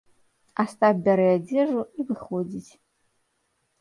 Астап бярэ адзежу і выходзіць.